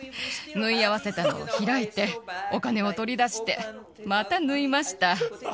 縫い合わせたのを開いて、お金を取り出して、また縫いました。